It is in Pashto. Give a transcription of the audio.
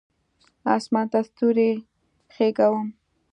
اسمان ته ستوري خیژوم